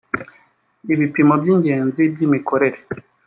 ibipimo by ingenzi by imikorere